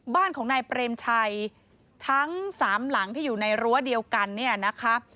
บ้านของนายเปรมชัยทั้งสามหลังที่อยู่ในรั้วเดียวกันเนี่ยนะคะ